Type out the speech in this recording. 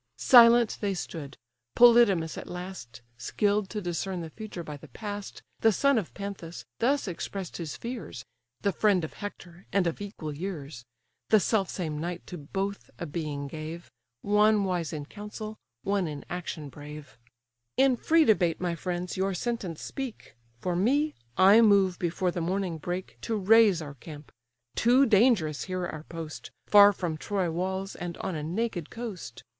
Silent they stood: Polydamas at last, Skill'd to discern the future by the past, The son of Panthus, thus express'd his fears (The friend of Hector, and of equal years; The self same night to both a being gave, One wise in council, one in action brave): JUNO COMMANDING THE SUN TO SET "In free debate, my friends, your sentence speak; For me, I move, before the morning break, To raise our camp: too dangerous here our post, Far from Troy walls, and on a naked coast.